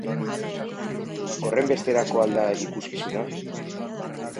Horrenbesterako al da ikuskizuna?